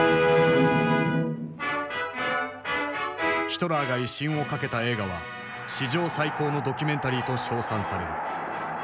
ヒトラーが威信を懸けた映画は史上最高のドキュメンタリーと称賛される。